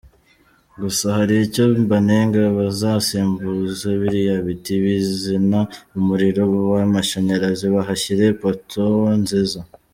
Gusa hari icyo mbanenga, bazasimbuze biriya biti bizana umuriro w'amashanyarazi bahashyire poteaux nziza.